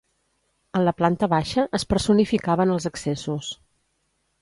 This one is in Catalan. En la planta baixa es personificaven els accessos.